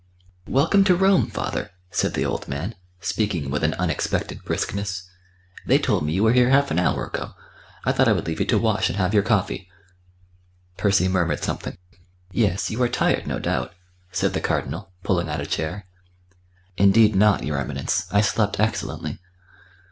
"Welcome to Rome, father," said the old man, speaking with an unexpected briskness. "They told me you were here half an hour ago; I thought I would leave you to wash and have your coffee." Percy murmured something. "Yes; you are tired, no doubt," said the Cardinal, pulling out a chair. "Indeed not, your Eminence. I slept excellently."